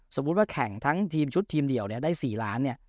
สมมุติว่าแข่งทั้งทีมชุดทีมเดี่ยวเนี่ยได้๔ล้านเนี่ย